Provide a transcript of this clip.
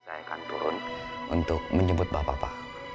saya akan turun untuk menyebut bapak bapak